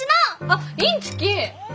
あっインチキ！